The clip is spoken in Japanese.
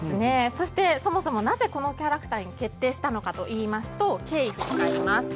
そして、なぜこのキャラクターに決定したのかといいますと経緯があります。